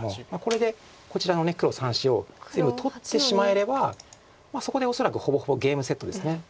これでこちらの黒３子を全部取ってしまえればそこで恐らくほぼほぼゲームセットです。